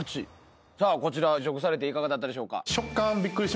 こちら食されていかがだったでしょうか？